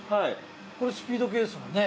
これスピード系ですもんね。